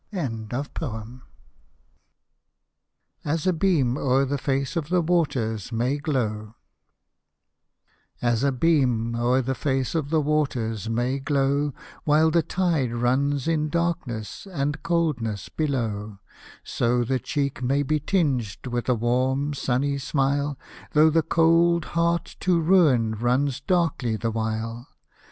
Hosted by Google AS A BEAM OER THE FACE n AS A BEAM O'ER THE FACE OF THE WATERS MAY GLOW As a beam o'er the face of the waters may glow While the tide runs in darkness and coldness below, So the cheek may be tinged w^ith a warm sunny smile, Though the cold heart to ruin runs darkly the while.